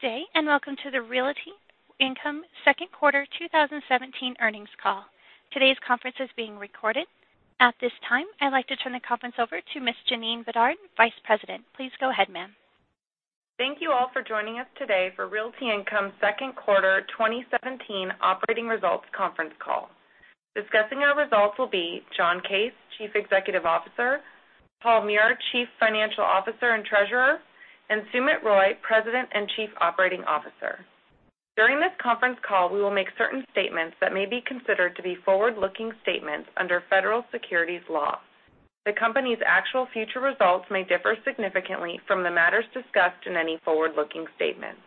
Good day. Welcome to the Realty Income second quarter 2017 earnings call. Today's conference is being recorded. At this time, I'd like to turn the conference over to Ms. Janine Bedard, Vice President. Please go ahead, ma'am. Thank you all for joining us today for Realty Income second quarter 2017 operating results conference call. Discussing our results will be John Case, Chief Executive Officer, Paul Meurer, Chief Financial Officer and Treasurer, and Sumit Roy, President and Chief Operating Officer. During this conference call, we will make certain statements that may be considered to be forward-looking statements under federal securities law. The company's actual future results may differ significantly from the matters discussed in any forward-looking statements.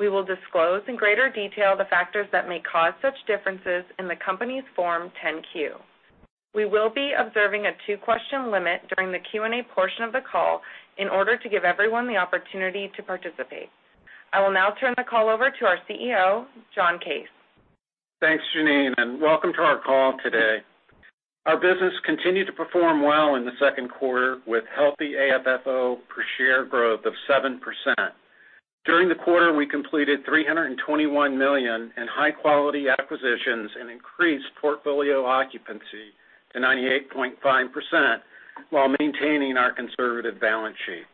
We will disclose in greater detail the factors that may cause such differences in the company's Form 10-Q. We will be observing a two-question limit during the Q&A portion of the call in order to give everyone the opportunity to participate. I will now turn the call over to our CEO, John Case. Thanks, Janine. Welcome to our call today. Our business continued to perform well in the second quarter, with healthy AFFO per share growth of 7%. During the quarter, we completed $321 million in high-quality acquisitions and increased portfolio occupancy to 98.5% while maintaining our conservative balance sheet.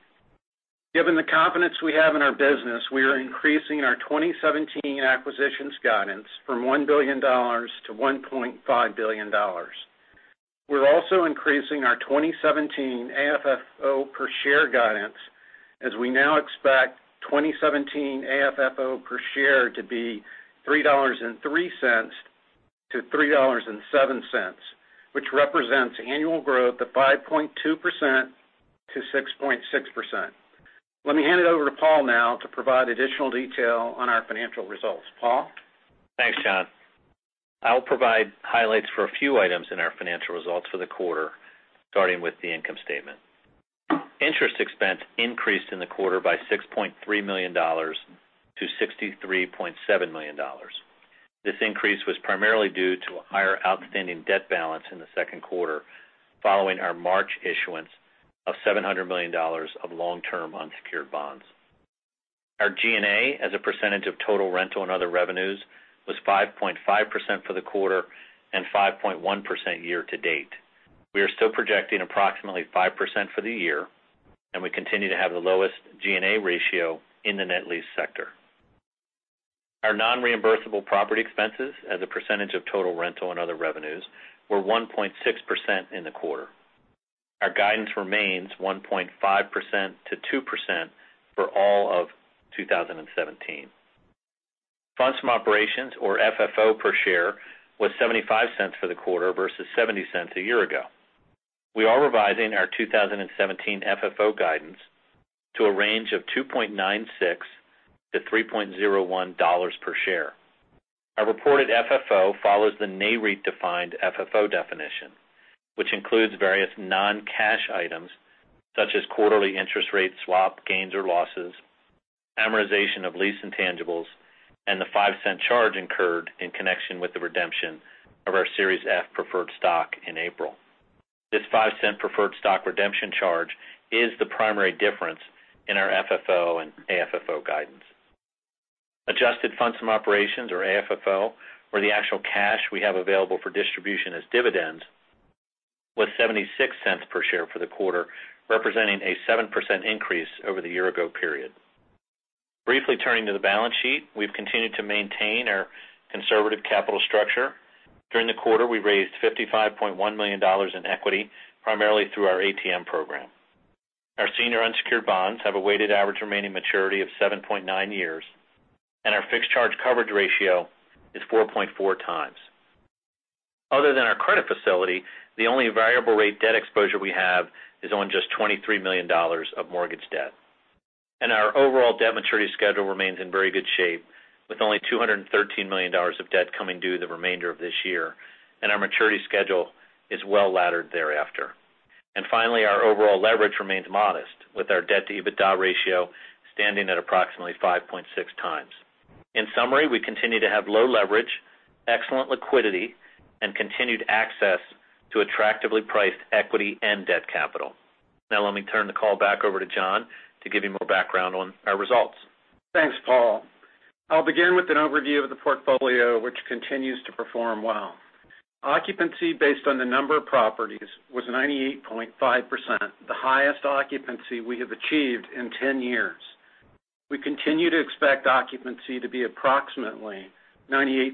Given the confidence we have in our business, we are increasing our 2017 acquisitions guidance from $1 billion-$1.5 billion. We're also increasing our 2017 AFFO per share guidance, as we now expect 2017 AFFO per share to be $3.03-$3.07, which represents annual growth of 5.2%-6.6%. Let me hand it over to Paul now to provide additional detail on our financial results. Paul? Thanks, John. I'll provide highlights for a few items in our financial results for the quarter, starting with the income statement. Interest expense increased in the quarter by $6.3 million-$63.7 million. This increase was primarily due to a higher outstanding debt balance in the second quarter, following our March issuance of $700 million of long-term unsecured bonds. Our G&A as a percentage of total rental and other revenues was 5.5% for the quarter and 5.1% year-to-date. We are still projecting approximately 5% for the year. We continue to have the lowest G&A ratio in the net lease sector. Our non-reimbursable property expenses as a percentage of total rental and other revenues were 1.6% in the quarter. Our guidance remains 1.5%-2% for all of 2017. Funds from operations, or FFO per share, was $0.75 for the quarter versus $0.70 a year ago. We are revising our 2017 FFO guidance to a range of $2.96 to $3.01 per share. Our reported FFO follows the Nareit-defined FFO definition, which includes various non-cash items such as quarterly interest rate swap gains or losses, amortization of lease intangibles, and the $0.05 charge incurred in connection with the redemption of our Series F preferred stock in April. This $0.05 preferred stock redemption charge is the primary difference in our FFO and AFFO guidance. Adjusted funds from operations, or AFFO, or the actual cash we have available for distribution as dividends, was $0.76 per share for the quarter, representing a 7% increase over the year-ago period. Briefly turning to the balance sheet, we've continued to maintain our conservative capital structure. During the quarter, we raised $55.1 million in equity, primarily through our ATM program. Our senior unsecured bonds have a weighted average remaining maturity of 7.9 years, and our fixed charge coverage ratio is 4.4 times. Other than our credit facility, the only variable rate debt exposure we have is on just $23 million of mortgage debt. Our overall debt maturity schedule remains in very good shape, with only $213 million of debt coming due the remainder of this year, and our maturity schedule is well-laddered thereafter. Finally, our overall leverage remains modest, with our debt-to-EBITDA ratio standing at approximately 5.6 times. In summary, we continue to have low leverage, excellent liquidity, and continued access to attractively priced equity and debt capital. Now, let me turn the call back over to John to give you more background on our results. Thanks, Paul. I'll begin with an overview of the portfolio, which continues to perform well. Occupancy based on the number of properties was 98.5%, the highest occupancy we have achieved in 10 years. We continue to expect occupancy to be approximately 98%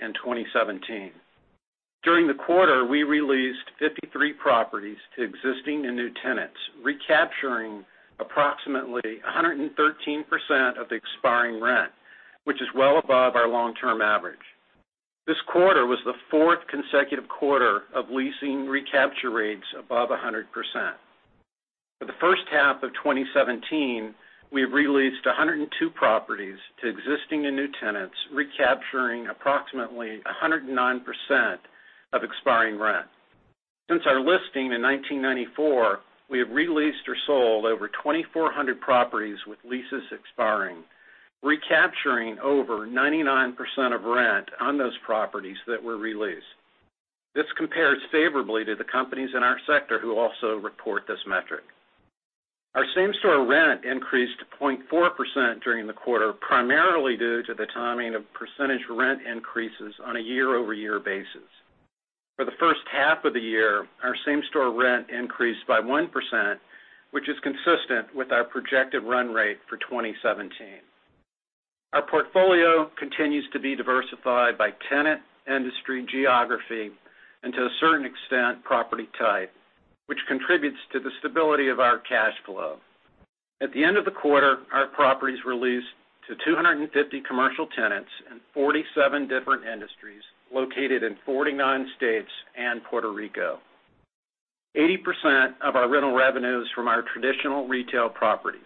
in 2017. During the quarter, we re-leased 53 properties to existing and new tenants, recapturing approximately 113% of the expiring rent, which is well above our long-term average. This quarter was the fourth consecutive quarter of leasing recapture rates above 100%. For the first half of 2017, we've re-leased 102 properties to existing and new tenants, recapturing approximately 109% of expiring rent. Since our listing in 1994, we have re-leased or sold over 2,400 properties with leases expiring, recapturing over 99% of rent on those properties that were re-leased. This compares favorably to the companies in our sector who also report this metric. Our same-store rent increased to 0.4% during the quarter, primarily due to the timing of percentage rent increases on a year-over-year basis. For the first half of the year, our same-store rent increased by 1%, which is consistent with our projected run rate for 2017. Our portfolio continues to be diversified by tenant, industry, geography, and to a certain extent, property type, which contributes to the stability of our cash flow. At the end of the quarter, our properties were leased to 250 commercial tenants in 47 different industries, located in 49 states and Puerto Rico. 80% of our rental revenue is from our traditional retail properties.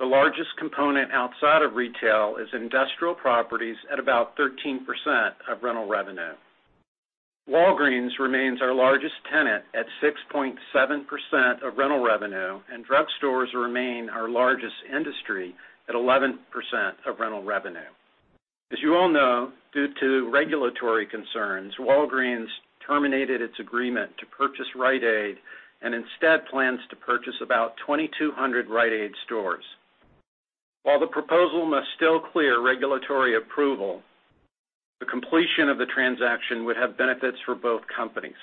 The largest component outside of retail is industrial properties at about 13% of rental revenue. Walgreens remains our largest tenant at 6.7% of rental revenue, and drugstores remain our largest industry at 11% of rental revenue. As you all know, due to regulatory concerns, Walgreens terminated its agreement to purchase Rite Aid and instead plans to purchase about 2,200 Rite Aid stores. While the proposal must still clear regulatory approval, the completion of the transaction would have benefits for both companies.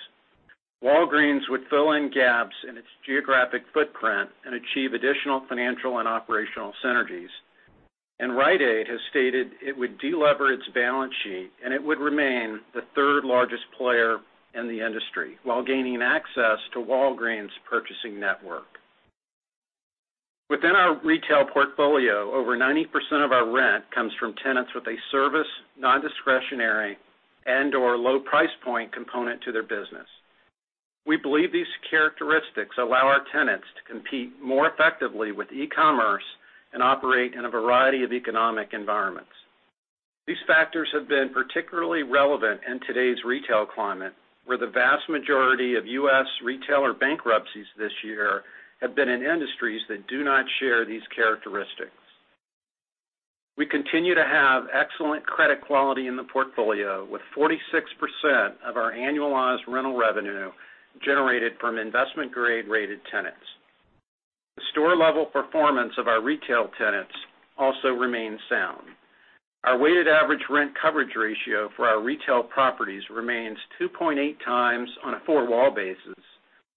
Walgreens would fill in gaps in its geographic footprint and achieve additional financial and operational synergies. Rite Aid has stated it would de-lever its balance sheet, and it would remain the third-largest player in the industry while gaining access to Walgreens' purchasing network. Within our retail portfolio, over 90% of our rent comes from tenants with a service, non-discretionary, and/or low price point component to their business. We believe these characteristics allow our tenants to compete more effectively with e-commerce and operate in a variety of economic environments. These factors have been particularly relevant in today's retail climate, where the vast majority of U.S. retailer bankruptcies this year have been in industries that do not share these characteristics. We continue to have excellent credit quality in the portfolio, with 46% of our annualized rental revenue generated from investment-grade-rated tenants. The store-level performance of our retail tenants also remains sound. Our weighted average rent coverage ratio for our retail properties remains 2.8 times on a four-wall basis,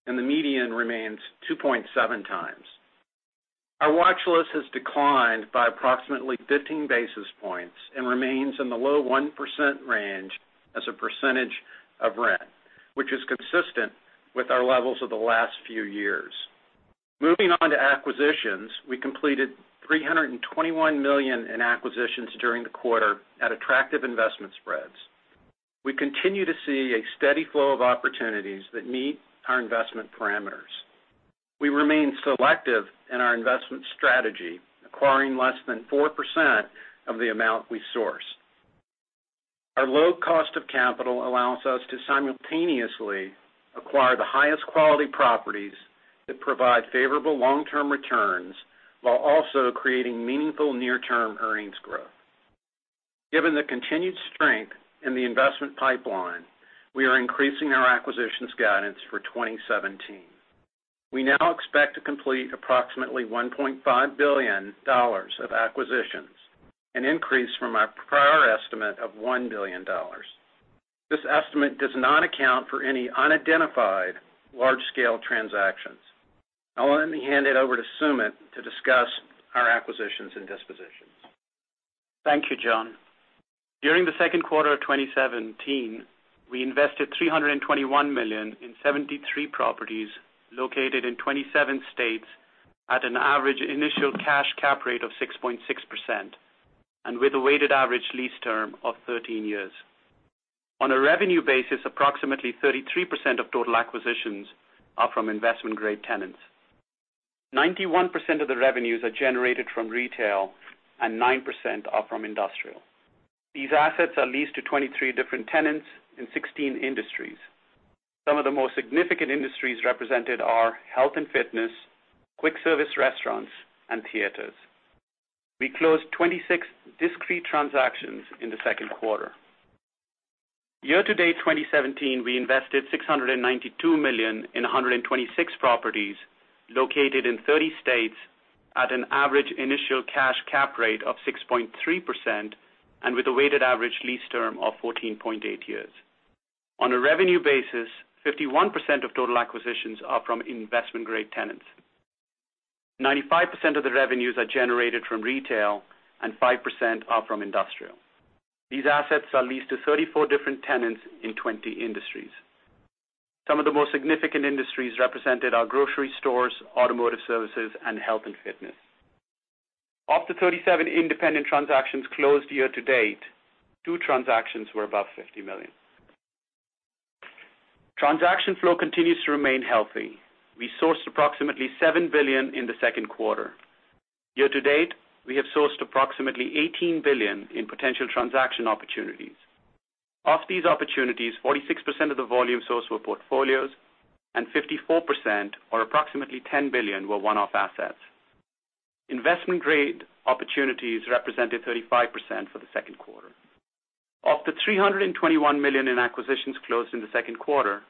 and the median remains 2.7 times. Our watch list has declined by approximately 15 basis points and remains in the low 1% range as a percentage of rent, which is consistent with our levels of the last few years. Moving on to acquisitions, we completed $321 million in acquisitions during the quarter at attractive investment spreads. We continue to see a steady flow of opportunities that meet our investment parameters. We remain selective in our investment strategy, acquiring less than 4% of the amount we source. Our low cost of capital allows us to simultaneously acquire the highest quality properties that provide favorable long-term returns while also creating meaningful near-term earnings growth. Given the continued strength in the investment pipeline, we are increasing our acquisitions guidance for 2017. We now expect to complete approximately $1.5 billion of acquisitions, an increase from our prior estimate of $1 billion. This estimate does not account for any unidentified large-scale transactions. I want to hand it over to Sumit to discuss our acquisitions and dispositions. Thank you, John. During the second quarter of 2017, we invested $321 million in 73 properties located in 27 states at an average initial cash cap rate of 6.6% and with a weighted average lease term of 13 years. On a revenue basis, approximately 33% of total acquisitions are from investment-grade tenants. 91% of the revenues are generated from retail, and 9% are from industrial. These assets are leased to 23 different tenants in 16 industries. Some of the most significant industries represented are health and fitness, quick service restaurants, and theaters. We closed 26 discrete transactions in the second quarter. Year to date 2017, we invested $692 million in 126 properties located in 30 states at an average initial cash cap rate of 6.3% and with a weighted average lease term of 14.8 years. On a revenue basis, 51% of total acquisitions are from investment-grade tenants. 95% of the revenues are generated from retail and 5% are from industrial. These assets are leased to 34 different tenants in 20 industries. Some of the most significant industries represented are grocery stores, automotive services, and health and fitness. Of the 37 independent transactions closed year to date, 2 transactions were above $50 million. Transaction flow continues to remain healthy. We sourced approximately $7 billion in the second quarter. Year to date, we have sourced approximately $18 billion in potential transaction opportunities. Of these opportunities, 46% of the volume sourced were portfolios, and 54%, or approximately $10 billion, were one-off assets. Investment-grade opportunities represented 35% for the second quarter. Of the $321 million in acquisitions closed in the second quarter,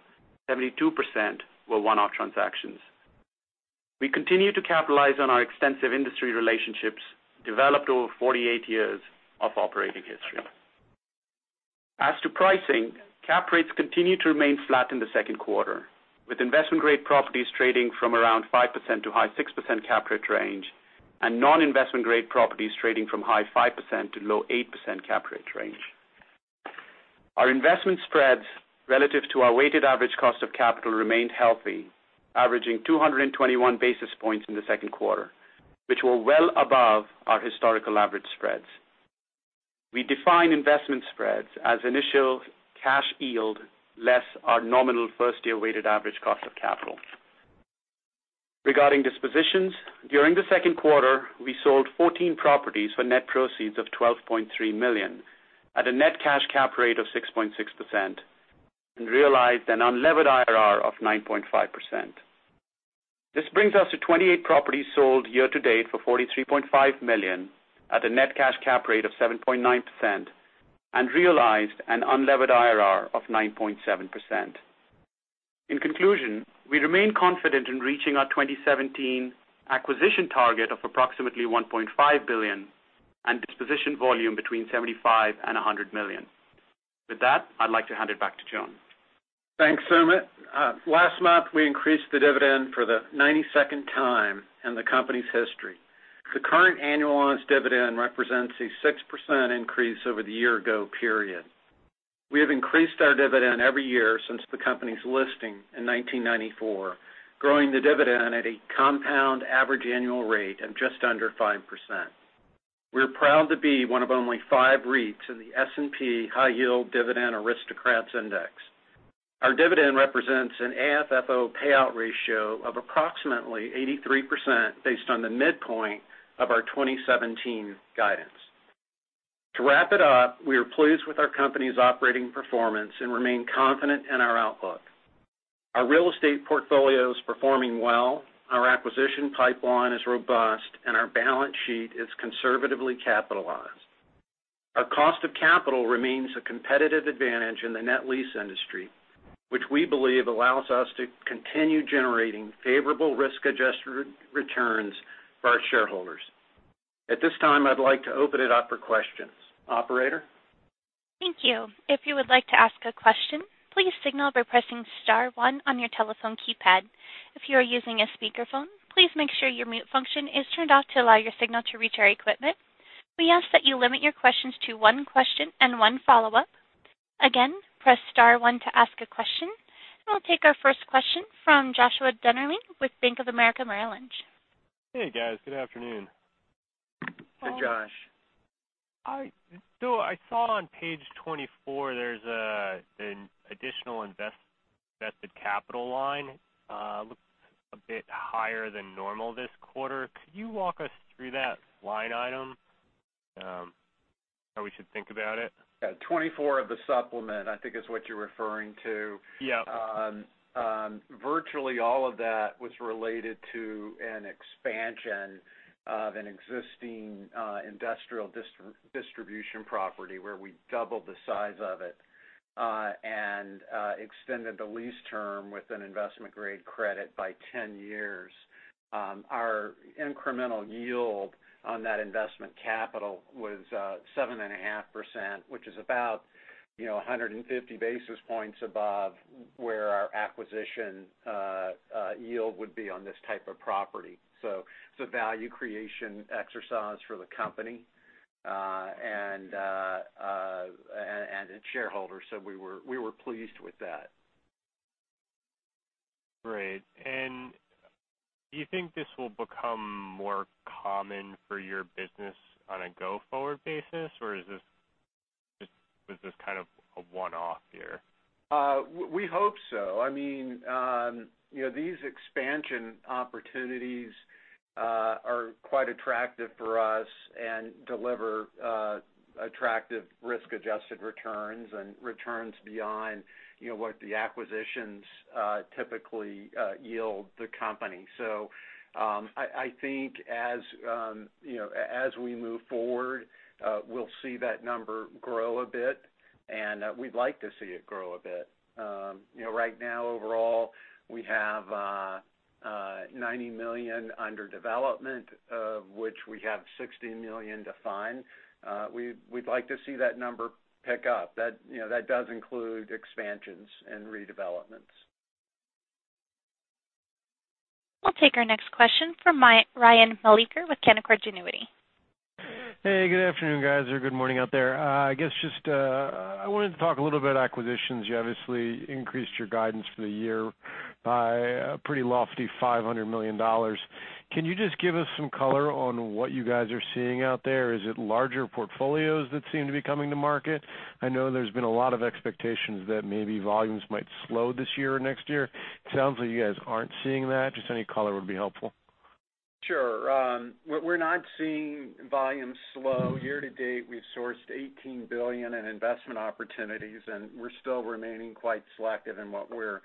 72% were one-off transactions. We continue to capitalize on our extensive industry relationships developed over 48 years of operating history. As to pricing, cap rates continued to remain flat in the second quarter, with investment-grade properties trading from around 5%-high 6% cap rate range, and non-investment grade properties trading from high 5%-low 8% cap rate range. Our investment spreads relative to our weighted average cost of capital remained healthy, averaging 221 basis points in the second quarter, which were well above our historical average spreads. We define investment spreads as initial cash yield less our nominal first-year weighted average cost of capital. Regarding dispositions, during the second quarter, we sold 14 properties for net proceeds of $12.3 million at a net cash cap rate of 6.6% and realized an unlevered IRR of 9.5%. This brings us to 28 properties sold year-to-date for $43.5 million at a net cash cap rate of 7.9% and realized an unlevered IRR of 9.7%. In conclusion, we remain confident in reaching our 2017 acquisition target of approximately $1.5 billion and disposition volume between $75 million and $100 million. With that, I'd like to hand it back to John. Thanks, Sumit. Last month, we increased the dividend for the 92nd time in the company's history. The current annualized dividend represents a 6% increase over the year-ago period. We have increased our dividend every year since the company's listing in 1994, growing the dividend at a compound average annual rate of just under 5%. We are proud to be one of only 5 REITs in the S&P High Yield Dividend Aristocrats Index. Our dividend represents an AFFO payout ratio of approximately 83% based on the midpoint of our 2017 guidance. To wrap it up, we are pleased with our company's operating performance and remain confident in our outlook. Our real estate portfolio is performing well, our acquisition pipeline is robust, and our balance sheet is conservatively capitalized. Our cost of capital remains a competitive advantage in the net lease industry, which we believe allows us to continue generating favorable risk-adjusted returns for our shareholders. At this time, I'd like to open it up for questions. Operator? Thank you. If you would like to ask a question, please signal by pressing *1 on your telephone keypad. If you are using a speakerphone, please make sure your mute function is turned off to allow your signal to reach our equipment. We ask that you limit your questions to one question and one follow-up. Again, press *1 to ask a question. I'll take our first question from Joshua Dennerlein with Bank of America Merrill Lynch. Hey, guys. Good afternoon. Hey, Josh. I saw on page 24, there's an additional invested capital line. Looks a bit higher than normal this quarter. Could you walk us through that line item? How we should think about it? Yeah. 24 of the supplement, I think is what you're referring to. Yeah. Virtually all of that was related to an expansion of an existing industrial distribution property where we doubled the size of it, and extended the lease term with an investment-grade credit by 10 years. Our incremental yield on that investment capital was 7.5%, which is about 150 basis points above where our acquisition yield would be on this type of property. It's a value creation exercise for the company and its shareholders. We were pleased with that. Great. Do you think this will become more common for your business on a go-forward basis, or was this kind of a one-off year? We hope so. These expansion opportunities are quite attractive for us and deliver attractive risk-adjusted returns and returns beyond what the acquisitions typically yield the company. I think as we move forward, we'll see that number grow a bit, and we'd like to see it grow a bit. Right now, overall, we have $90 million under development, of which we have $60 million to find. We'd like to see that number pick up. That does include expansions and redevelopments. I'll take our next question from Ryan Meliker with Canaccord Genuity. Hey, good afternoon, guys, or good morning out there. I guess I wanted to talk a little about acquisitions. You obviously increased your guidance for the year by a pretty lofty $500 million. Can you just give us some color on what you guys are seeing out there? Is it larger portfolios that seem to be coming to market? I know there's been a lot of expectations that maybe volumes might slow this year or next year. It sounds like you guys aren't seeing that. Just any color would be helpful. Sure. We're not seeing volume slow. Year-to-date, we've sourced $18 billion in investment opportunities, and we're still remaining quite selective in what we're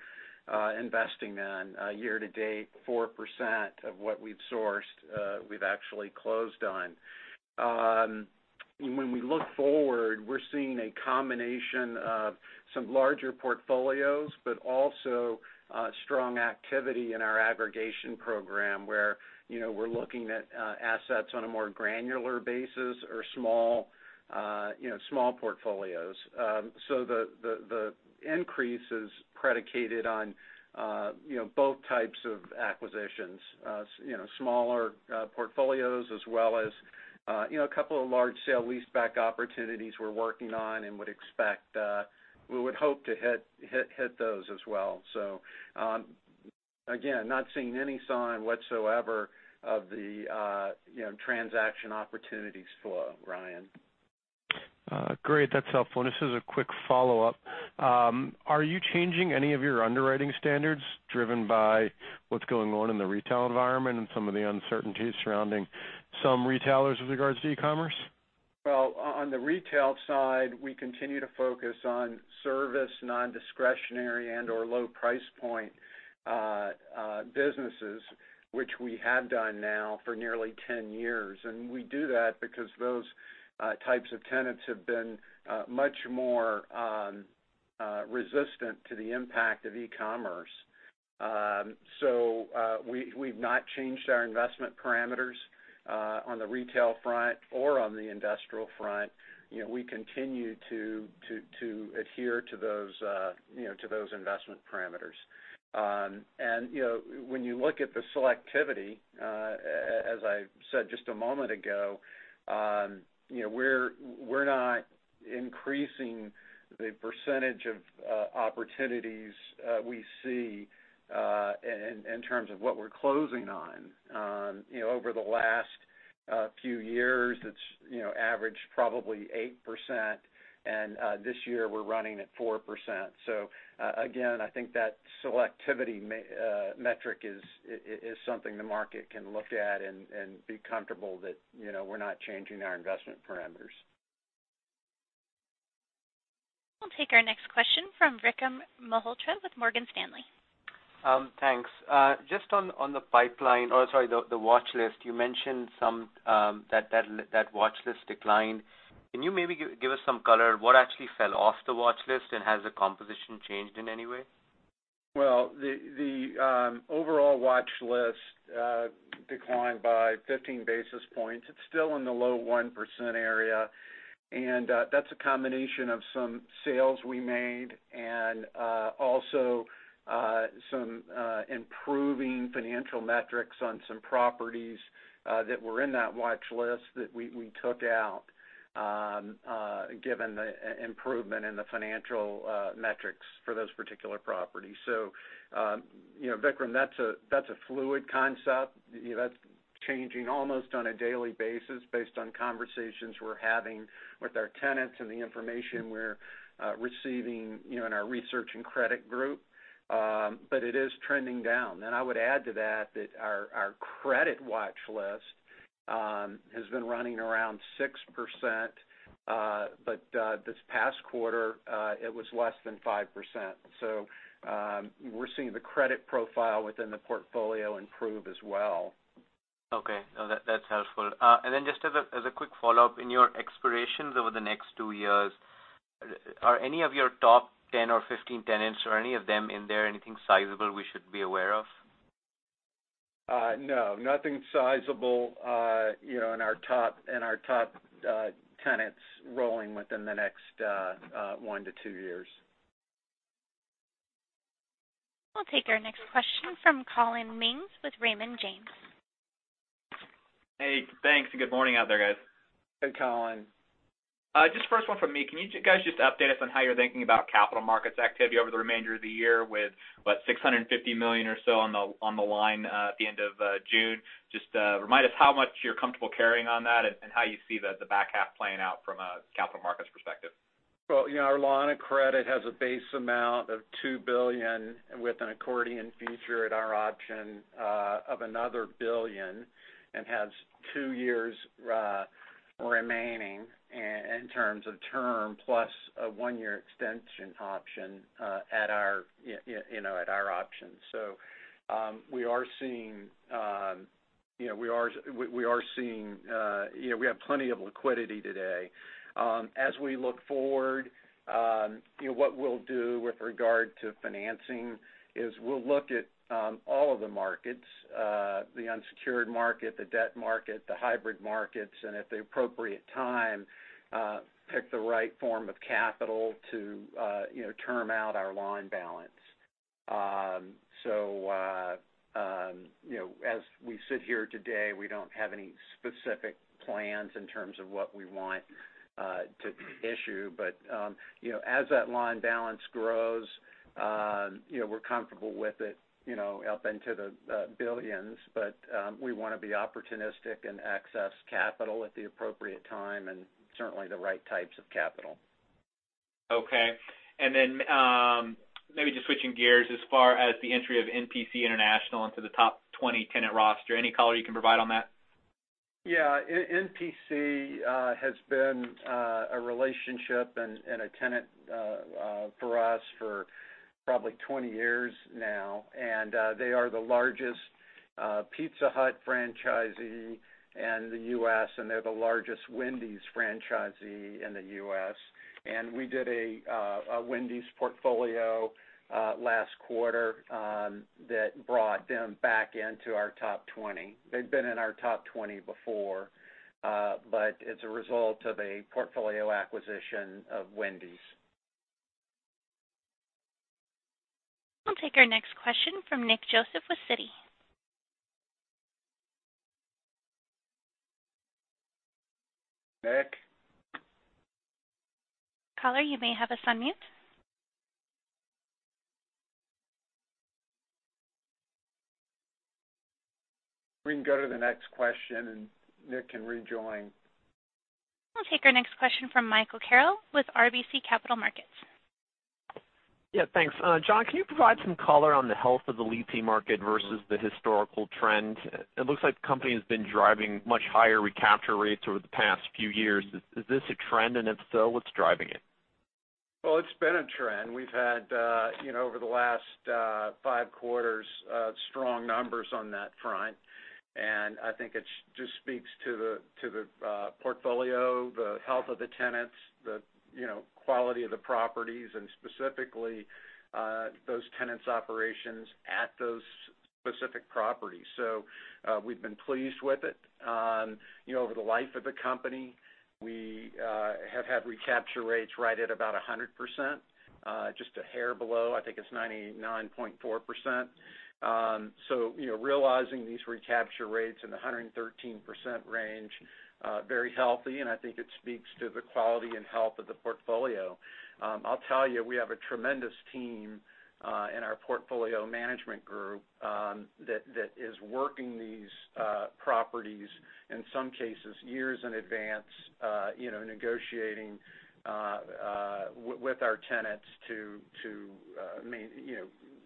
investing in. Year-to-date, 4% of what we've sourced, we've actually closed on. When we look forward, we're seeing a combination of some larger portfolios, but also strong activity in our aggregation program where we're looking at assets on a more granular basis or small portfolios. The increase is predicated on both types of acquisitions. Smaller portfolios as well as a couple of large sale-leaseback opportunities we're working on and we would hope to hit those as well. Again, not seeing any sign whatsoever of the transaction opportunities flow, Ryan. Great. That's helpful. This is a quick follow-up. Are you changing any of your underwriting standards driven by what's going on in the retail environment and some of the uncertainties surrounding some retailers with regards to e-commerce? Well, on the retail side, we continue to focus on service, non-discretionary, and/or low price point businesses, which we have done now for nearly 10 years. We do that because those types of tenants have been much more resistant to the impact of e-commerce. We've not changed our investment parameters on the retail front or on the industrial front. We continue to adhere to those investment parameters. When you look at the selectivity, as I said just a moment ago, we're not increasing the percentage of opportunities we see in terms of what we're closing on. Over the last few years, it's averaged probably 8%, and this year we're running at 4%. Again, I think that selectivity metric is something the market can look at and be comfortable that we're not changing our investment parameters. We'll take our next question from Vikram Malhotra with Morgan Stanley. Thanks. Just on the watch list, you mentioned that watch list declined. Can you maybe give us some color? What actually fell off the watch list, and has the composition changed in any way? Well, the overall watch list declined by 15 basis points. It's still in the low 1% area, that's a combination of some sales we made and also some improving financial metrics on some properties that were in that watch list that we took out given the improvement in the financial metrics for those particular properties. Vikram, that's a fluid concept. That's changing almost on a daily basis based on conversations we're having with our tenants and the information we're receiving in our research and credit group. It is trending down. I would add to that our credit watch list has been running around 6%, this past quarter, it was less than 5%. We're seeing the credit profile within the portfolio improve as well. Okay. No, that's helpful. Just as a quick follow-up, in your expirations over the next two years, are any of your top 10 or 15 tenants or any of them in there anything sizable we should be aware of? No, nothing sizable in our top tenants rolling within the next one to two years. We'll take our next question from Collin Mings with Raymond James. Hey, thanks. Good morning out there, guys. Hey, Collin. Just the first one from me. Can you guys just update us on how you're thinking about capital markets activity over the remainder of the year with, what, $650 million or so on the line at the end of June? Just remind us how much you're comfortable carrying on that and how you see the back half playing out from a capital markets perspective. Well, our line of credit has a base amount of $2 billion with an accordion feature at our option of another $1 billion and has two years remaining in terms of term plus a one-year extension option at our option. We have plenty of liquidity today. As we look forward, what we'll do with regard to financing is we'll look at all of the markets, the unsecured market, the debt market, the hybrid markets, and at the appropriate time, pick the right form of capital to term out our line balance. As we sit here today, we don't have any specific plans in terms of what we want to issue. As that line balance grows, we're comfortable with it up into the billions. We want to be opportunistic and access capital at the appropriate time, and certainly the right types of capital. Maybe just switching gears as far as the entry of NPC International into the top 20 tenant roster, any color you can provide on that? Yeah. NPC has been a relationship and a tenant for us for probably 20 years now. They are the largest Pizza Hut franchisee in the U.S. They're the largest Wendy's franchisee in the U.S. We did a Wendy's portfolio last quarter that brought them back into our top 20. They've been in our top 20 before. It's a result of a portfolio acquisition of Wendy's. We'll take our next question from Nick Joseph with Citi. Nick? Caller, you may have us on mute. We can go to the next question, and Nick can rejoin. I'll take our next question from Michael Carroll with RBC Capital Markets. Yeah, thanks. John, can you provide some color on the health of the leasing market versus the historical trend? It looks like the company has been driving much higher recapture rates over the past few years. Is this a trend, and if so, what's driving it? Well, it's been a trend. We've had over the last five quarters, strong numbers on that front, and I think it just speaks to the portfolio, the health of the tenants, the quality of the properties, and specifically, those tenants' operations at those specific properties. We've been pleased with it. Over the life of the company, we have had recapture rates right at about 100%, just a hair below, I think it's 99.4%. Realizing these recapture rates in the 113% range, very healthy, and I think it speaks to the quality and health of the portfolio. I'll tell you, we have a tremendous team in our portfolio management group that is working these properties, in some cases, years in advance, negotiating with our tenants to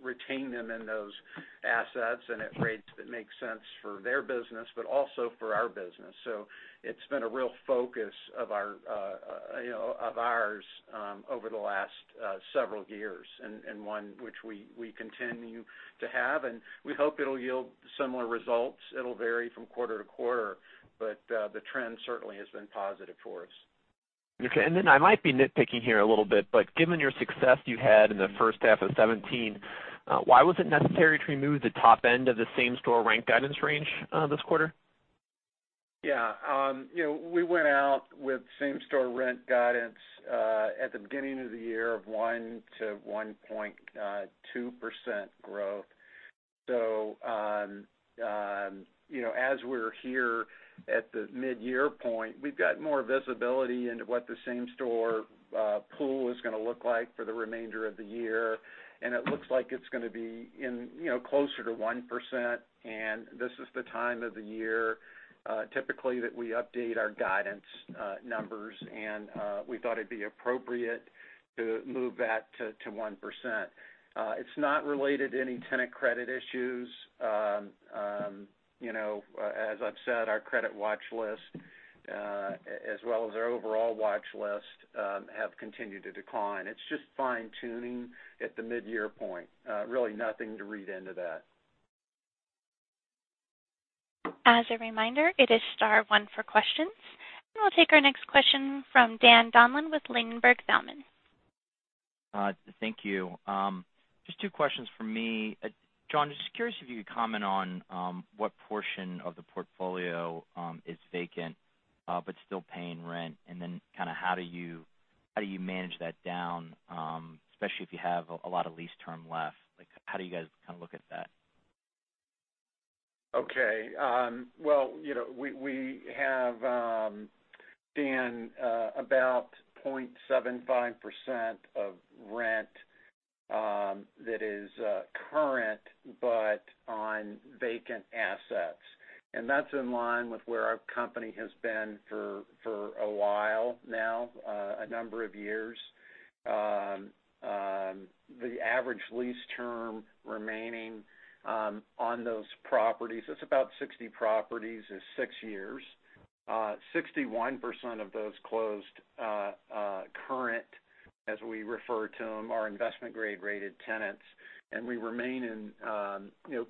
retain them in those assets and at rates that make sense for their business, but also for our business. It's been a real focus of ours over the last several years, and one which we continue to have, and we hope it'll yield similar results. It'll vary from quarter to quarter, but the trend certainly has been positive for us. I might be nitpicking here a little bit, but given your success you had in the first half of 2017, why was it necessary to remove the top end of the same-store rent guidance range this quarter? We went out with same-store rent guidance at the beginning of the year of 1%-1.2% growth. As we're here at the mid-year point, we've got more visibility into what the same-store pool is going to look like for the remainder of the year, and it looks like it's going to be closer to 1%. This is the time of the year, typically, that we update our guidance numbers, and we thought it'd be appropriate to move that to 1%. It's not related to any tenant credit issues. As I've said, our credit watch list, as well as our overall watch list, have continued to decline. It's just fine-tuning at the mid-year point. Really nothing to read into that. As a reminder, it is star one for questions. We'll take our next question from Daniel Donlan with Ladenburg Thalmann. Thank you. Just two questions from me. John, just curious if you could comment on what portion of the portfolio is vacant but still paying rent, and then how do you manage that down, especially if you have a lot of lease term left? How do you guys look at that? Okay. Well, we have, Dan, about 0.75% of rent that is current, but on vacant assets. That's in line with where our company has been for a while now, a number of years. The average lease term remaining on those properties, it's about 60 properties, is six years. 61% of those closed current, as we refer to them, are investment-grade-rated tenants, we remain in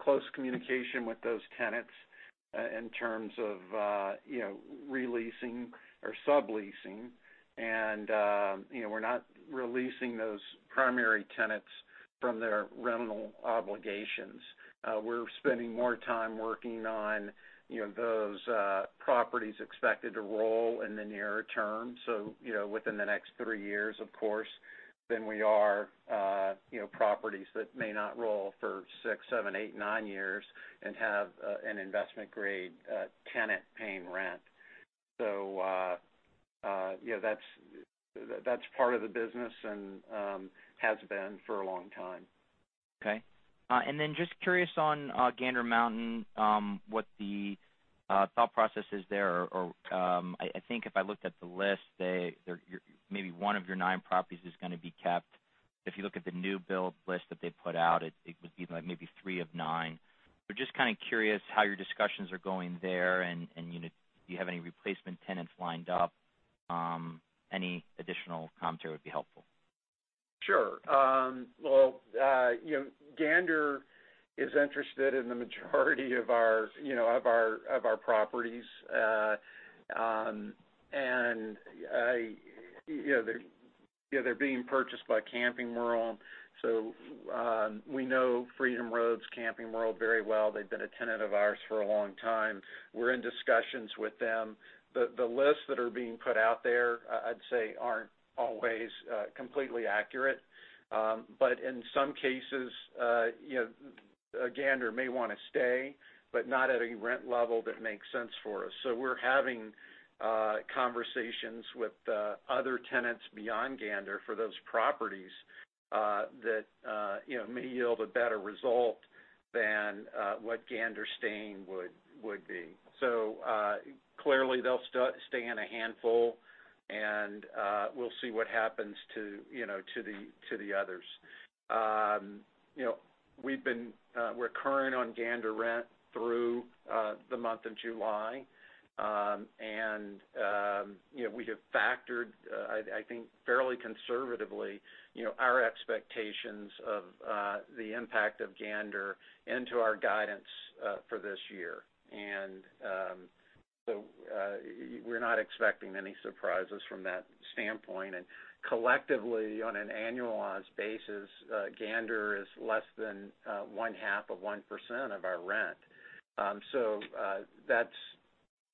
close communication with those tenants in terms of re-leasing or subleasing. We're not releasing those primary tenants from their rental obligations. We're spending more time working on those properties expected to roll in the nearer term, so within the next three years, of course, than we are properties that may not roll for six, seven, eight, nine years and have an investment-grade tenant paying rent. That's part of the business and has been for a long time. Okay. Just curious on Gander Mountain, what the thought process is there, or I think if I looked at the list, maybe one of your nine properties is going to be kept. If you look at the new build list that they put out, it would be maybe three of nine. Just kind of curious how your discussions are going there, and do you have any replacement tenants lined up? Any additional commentary would be helpful. Sure. Well, Gander is interested in the majority of our properties. They're being purchased by Camping World, so we know FreedomRoads Camping World very well. They've been a tenant of ours for a long time. We're in discussions with them. The lists that are being put out there, I'd say aren't always completely accurate. In some cases, Gander may want to stay, but not at a rent level that makes sense for us. We're having conversations with other tenants beyond Gander for those properties that may yield a better result than what Gander staying would be. Clearly they'll stay in a handful, and we'll see what happens to the others. We're current on Gander rent through the month of July. We have factored, I think fairly conservatively, our expectations of the impact of Gander into our guidance for this year. We're not expecting any surprises from that standpoint. Collectively, on an annualized basis, Gander is less than one half of 1% of our rent. That's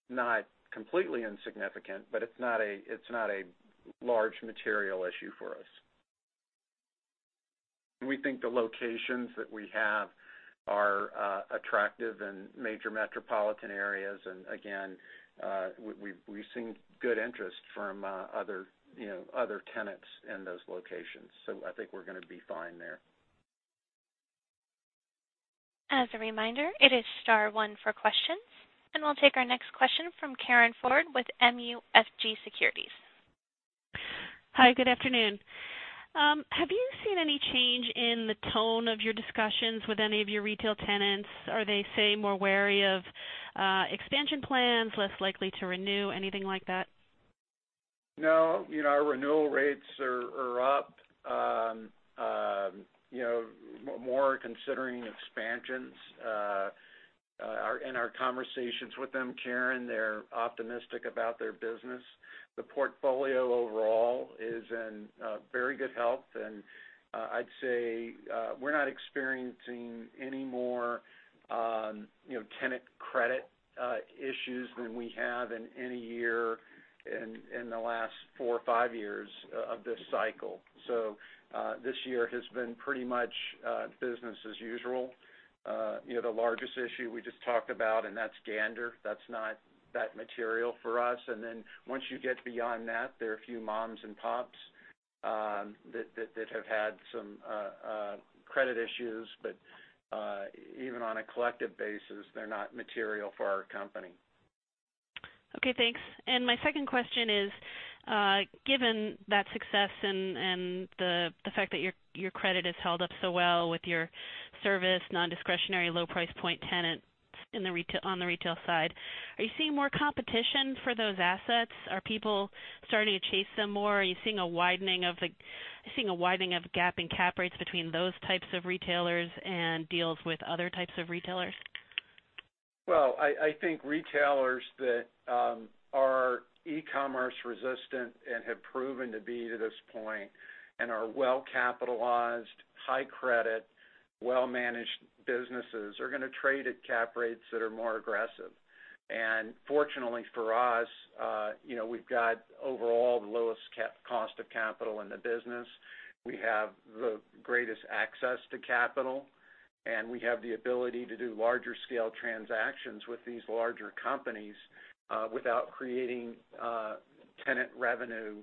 not completely insignificant, but it's not a large material issue for us. We think the locations that we have are attractive in major metropolitan areas, and again, we've seen good interest from other tenants in those locations. I think we're going to be fine there. As a reminder, it is star one for questions, and we'll take our next question from Karin Ford with MUFG Securities. Hi, good afternoon. Have you seen any change in the tone of your discussions with any of your retail tenants? Are they, say, more wary of expansion plans, less likely to renew, anything like that? No, our renewal rates are up. More are considering expansions. In our conversations with them, Karin, they're optimistic about their business. The portfolio overall is in very good health, and I'd say we're not experiencing any more tenant credit issues than we have in any year in the last four or five years of this cycle. This year has been pretty much business as usual. The largest issue we just talked about, and that's Gander. That's not that material for us. Once you get beyond that, there are a few moms and pops that have had some credit issues. Even on a collective basis, they're not material for our company. Okay, thanks. My second question is, given that success and the fact that your credit has held up so well with your service, nondiscretionary low price point tenants on the retail side, are you seeing more competition for those assets? Are people starting to chase them more? Are you seeing a widening of gap in cap rates between those types of retailers and deals with other types of retailers? Well, I think retailers that are e-commerce resistant and have proven to be to this point and are well-capitalized, high credit, well-managed businesses are going to trade at cap rates that are more aggressive. Fortunately for us, we've got overall the lowest cost of capital in the business. We have the greatest access to capital, and we have the ability to do larger scale transactions with these larger companies without creating tenant revenue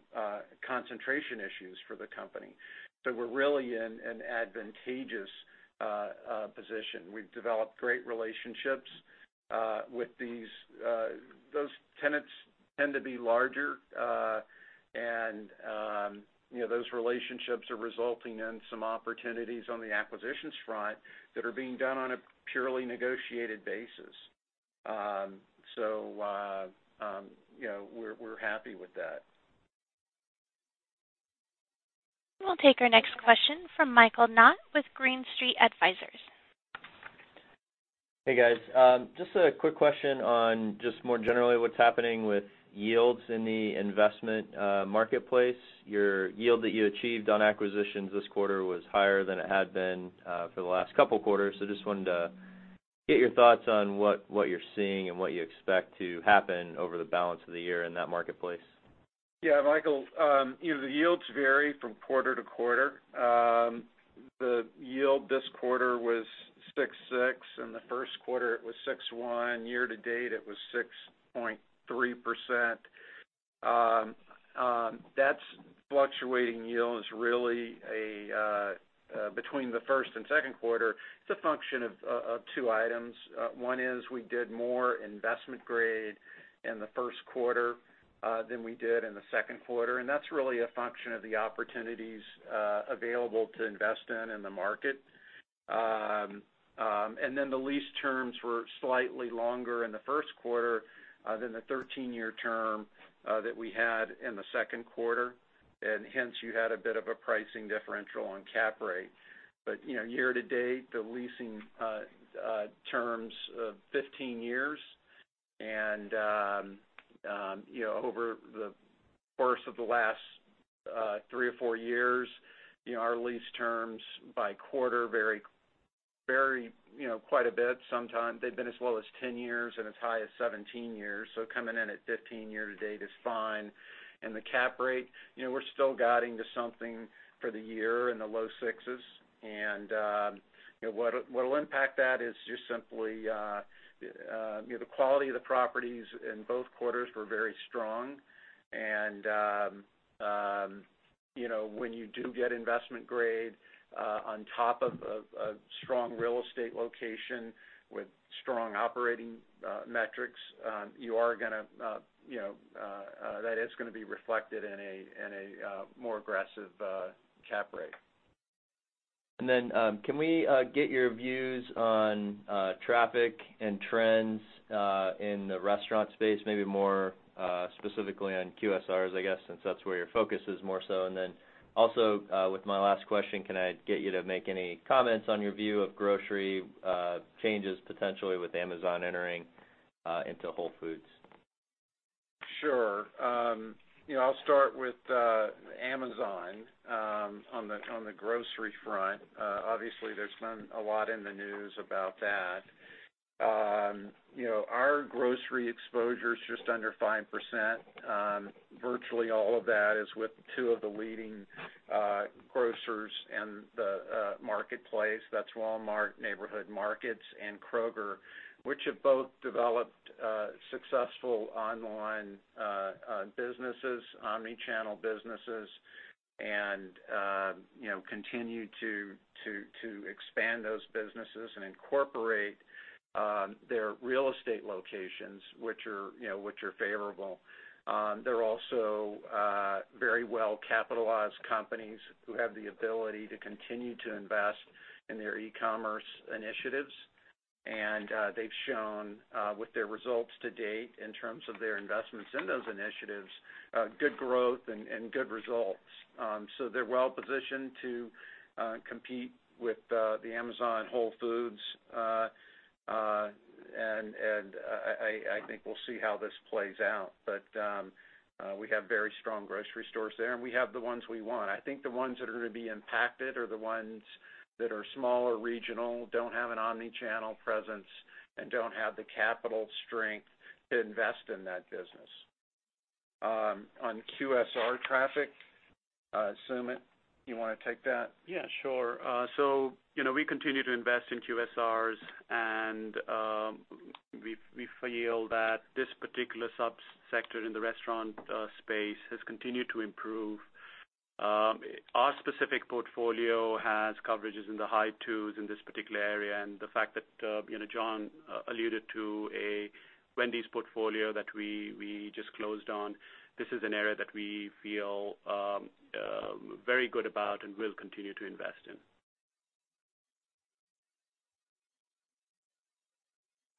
concentration issues for the company. We're really in an advantageous position. We've developed great relationships with these. Those tenants tend to be larger, and those relationships are resulting in some opportunities on the acquisitions front that are being done on a purely negotiated basis. We're happy with that. We'll take our next question from Michael Knott with Green Street Advisors. Hey, guys. A quick question on just more generally what's happening with yields in the investment marketplace. Your yield that you achieved on acquisitions this quarter was higher than it had been for the last couple quarters. Wanted to get your thoughts on what you're seeing and what you expect to happen over the balance of the year in that marketplace. Michael, the yields vary from quarter to quarter. The yield this quarter was 6.6%, in the first quarter it was 6.1%, year to date it was 6.3%. That fluctuating yield is really between the first and second quarter. It's a function of two items. One is we did more investment grade in the first quarter than we did in the second quarter, and that's really a function of the opportunities available to invest in in the market. The lease terms were slightly longer in the first quarter than the 13-year term that we had in the second quarter, and hence you had a bit of a pricing differential on cap rate. Year-to-date, the leasing terms of 15 years and over the course of the last three or four years, our lease terms by quarter vary quite a bit. Sometimes they've been as low as 10 years and as high as 17 years. Coming in at 15 year-to-date is fine. The cap rate, we're still guiding to something for the year in the low sixes. What'll impact that is just simply the quality of the properties in both quarters were very strong. When you do get investment grade on top of a strong real estate location with strong operating metrics, that is going to be reflected in a more aggressive cap rate. Can we get your views on traffic and trends in the restaurant space? Maybe more specifically on QSRs, I guess, since that's where your focus is more so. Also with my last question, can I get you to make any comments on your view of grocery changes potentially with Amazon entering into Whole Foods? Sure. I'll start with Amazon on the grocery front. Obviously there's been a lot in the news about that. Our grocery exposure is just under 5%. Virtually all of that is with two of the leading grocers in the marketplace. That's Walmart Neighborhood Markets and Kroger, which have both developed successful online businesses, omni-channel businesses, and continue to expand those businesses and incorporate their real estate locations, which are favorable. They're also very well-capitalized companies who have the ability to continue to invest in their e-commerce initiatives. They've shown with their results to date, in terms of their investments in those initiatives, good growth and good results. They're well-positioned to compete with the Amazon Whole Foods. I think we'll see how this plays out. We have very strong grocery stores there, and we have the ones we want. I think the ones that are going to be impacted are the ones that are smaller regional, don't have an omni-channel presence, and don't have the capital strength to invest in that business. On QSR traffic, Sumit, you want to take that? Yeah, sure. We continue to invest in QSRs, and we feel that this particular sub-sector in the restaurant space has continued to improve. Our specific portfolio has coverages in the high twos in this particular area. The fact that John alluded to a Wendy's portfolio that we just closed on, this is an area that we feel very good about and will continue to invest in.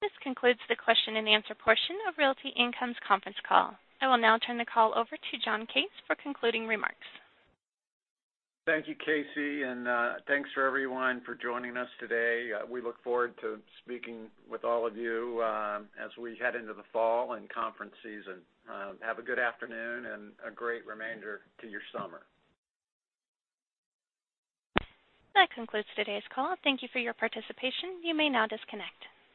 This concludes the question-and-answer portion of Realty Income's conference call. I will now turn the call over to John Case for concluding remarks. Thank you, Casey, thanks for everyone for joining us today. We look forward to speaking with all of you as we head into the fall and conference season. Have a good afternoon and a great remainder to your summer. That concludes today's call. Thank you for your participation. You may now disconnect.